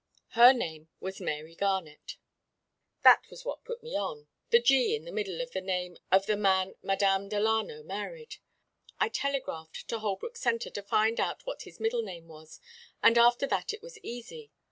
Her name was Mary Garnett. "That's what put me on the G. in the middle of the name of the man Madame Delano married. I telegraphed to Holbrook Centre to find out what his middle name was, and after that it was easy.